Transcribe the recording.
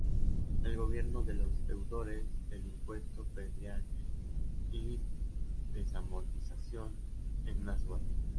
El gobierno de los deudores del impuesto predial y desamortización en una subasta.